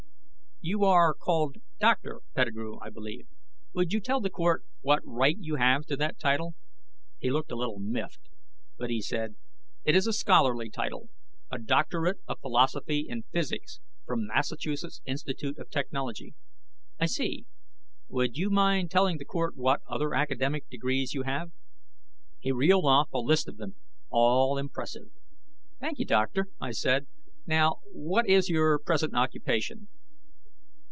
"You are called 'Doctor' Pettigrew, I believe. Would you tell the Court what right you have to that title?" He looked a little miffed, but he said: "It is a scholarly title. A Doctorate of Philosophy in physics from Massachusetts Institute of Technology." "I see. Would you mind telling the Court what other academic degrees you have?" He reeled off a list of them, all impressive. "Thank you, doctor," I said. "Now, what is your present occupation?"